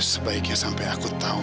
sebaiknya sampai aku tahu